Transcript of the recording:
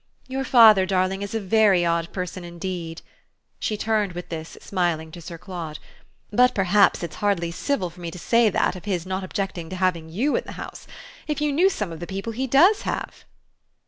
"Your father, darling, is a very odd person indeed." She turned with this, smiling, to Sir Claude. "But perhaps it's hardly civil for me to say that of his not objecting to have YOU in the house. If you knew some of the people he does have!"